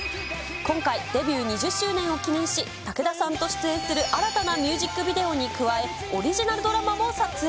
今回、デビュー２０周年を記念し、武田さんと出演する新たなミュージックビデオに加え、オリジナルドラマも撮影。